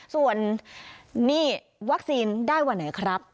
ส่วนหนี้วัคซีนได้วันไหนครับ